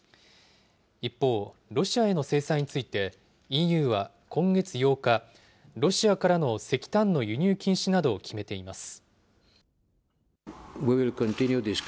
一方、ロシアへの制裁について、ＥＵは今月８日、ロシアからの石炭の輸入禁止などを決めています。